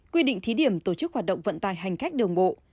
quy định thí điểm tổ chức hoạt động vận tải hành khách đường bộ